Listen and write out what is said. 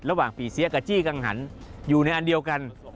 ระหว่างปีเสียกับจี้กังหันอยู่ในอันเดียวกัน